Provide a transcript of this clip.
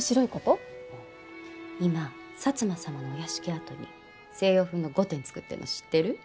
今摩様のお屋敷跡に西洋風の御殿造ってんの知ってる？